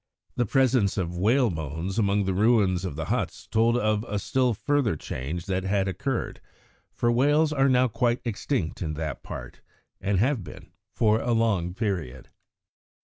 The presence of whale bones among the ruins of the huts told of a still further change that had occurred, for whales are now quite extinct in that part, and have been so for a long period.